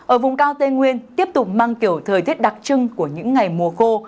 ở vùng cao tây nguyên tiếp tục mang kiểu thời tiết đặc trưng của những ngày mùa khô